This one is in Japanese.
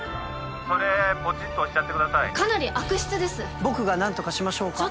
☎それポチッと押してくださいかなり悪質です僕が何とかしましょうか？